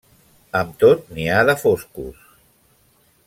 Amb tot, n'hi ha de foscos.